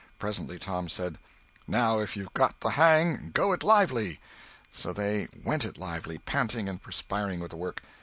Presently Tom said: "Now, if you've got the hang, go it lively!" So they "went it lively," panting and perspiring with the work.